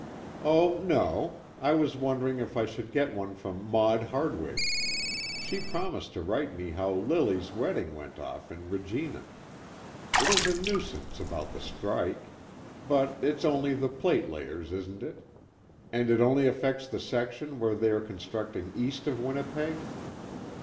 "Oh, no; I was wondering if I should get one from Maud Hardwig. She promised to write me how Lily's wedding went off in Regina. It is a nuisance about the strike. But it's only the plate layers, isn't it; and it only affects the section where they are constructing east of Winnipeg?"